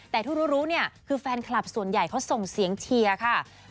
แต่ทุกคือแฟนคลับส่วนใหญ่เขาส่งเสียงเชียร์ค่ะ